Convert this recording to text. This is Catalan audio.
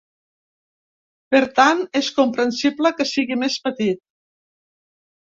Per tant, és comprensible que sigui més petit.